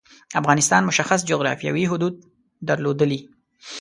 افغانستان مشخص جعرافیايی حدود درلودلي.